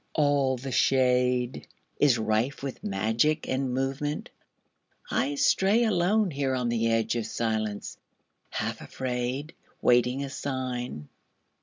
All the shadeIs rife with magic and movement. I stray aloneHere on the edge of silence, half afraid, Waiting a sign.